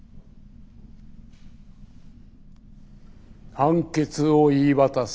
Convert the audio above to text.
判決を言い渡す。